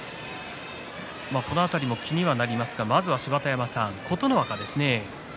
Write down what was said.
この辺りも気にはなりますが芝田山さん、まずは琴ノ若ですね。